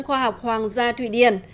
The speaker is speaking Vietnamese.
khoa học hoàng gia thụy điển